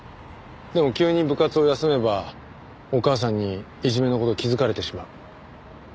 でも急に部活を休めばお母さんにいじめの事を気づかれてしまう。